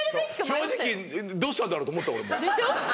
正直どうしたんだろう？と思った俺も。